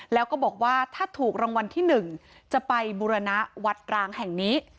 แล้วก็บอกว่าถ้าถูกรางวัลที่๑จะไปบุรณะวัดร้างแห่งนี้